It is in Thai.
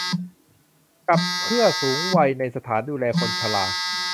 กับเพื่อสูงวัยในสถานดูแลคนชรา